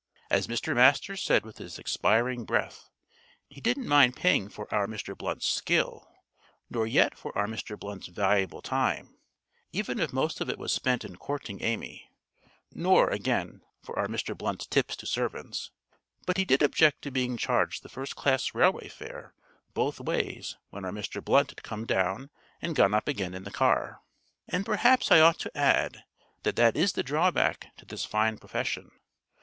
As Mr. Masters said with his expiring breath: he didn't mind paying for our Mr. Blunt's skill; nor yet for our Mr. Blunt's valuable time even if most of it was spent in courting Amy; nor, again, for our Mr. Blunt's tips to servants; but he did object to being charged the first class railway fare both ways when our Mr. Blunt had come down and gone up again in the car. And perhaps I ought to add that that is the drawback to this fine profession.